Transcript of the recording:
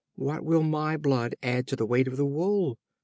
What will my blood add to the weight of the wool?